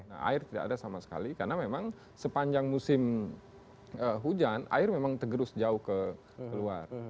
nah air tidak ada sama sekali karena memang sepanjang musim hujan air memang tergerus jauh ke luar